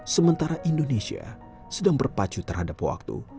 sementara indonesia sedang berpacu terhadap waktu